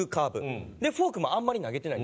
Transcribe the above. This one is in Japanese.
フォークもあんまり投げてないんですよ。